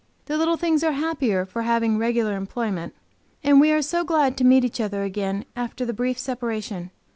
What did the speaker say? The little things are happier for having regular employment, and we are so glad to meet each other again after the brief separation!